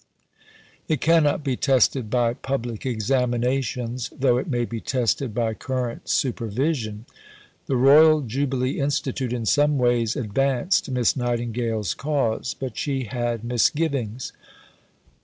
It cannot be tested by public examinations, though it may be tested by current supervision." The Royal Jubilee Institute in some ways advanced Miss Nightingale's cause, but she had misgivings.